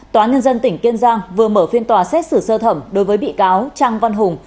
tòa nhân dân tỉnh kiên giang vừa mở phiên tòa xét xử sơ thẩm đối với bị cáo trang văn hùng